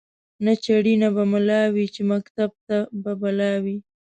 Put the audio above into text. نه چړي نه به مُلا وی چي مکتب ته به بلا وي